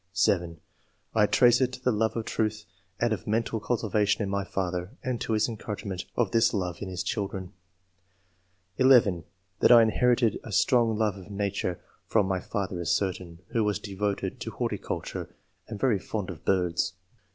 (7) I trace it to the love of truth and of mental cultivation in my father, and to his encouragement of this love in his children. (11) That I inherited a strong love of nature from my father is certain, who was devoted to horticulture and very fond of birds.